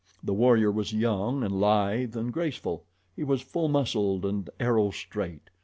The warrior was young and lithe and graceful; he was full muscled and arrow straight.